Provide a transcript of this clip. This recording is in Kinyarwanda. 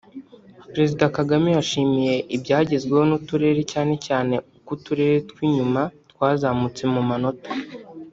Perezida Kagame yashimye ibyagezweho n’uturere cyane cyane uko uturere tw’inyuma twazamutse mu manota